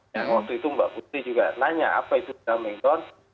yang waktu itu mbak putri juga nanya apa itu sudah main down